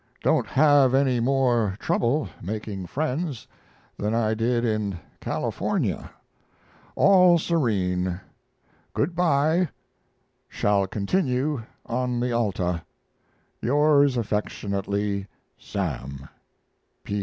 Don't have any more trouble making friends than I did in California. All serene. Good by. Shall continue on the Alta. Yours affectionately, SAM.